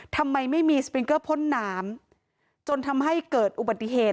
ทำไมไม่มีสปริงเกอร์พ่นน้ำจนทำให้เกิดอุบัติเหตุ